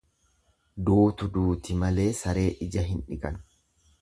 Duutu duuti malee saree ija hin dhiqan.